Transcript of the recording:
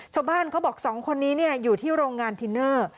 ช่วงบ้านเขาบอก๒คนนี้อยู่ที่โรงงานทิเนอร์